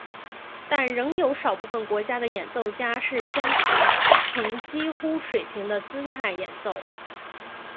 但仍有少部分国家的演奏家是夹琴呈几乎水平的姿态演奏。